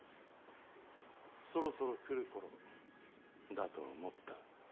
そろそろ来る頃だと思った。